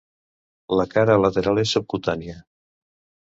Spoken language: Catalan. La cara lateral és subcutània.